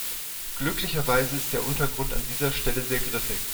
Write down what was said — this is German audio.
Glücklicherweise ist der Untergrund an dieser Stelle sehr griffig.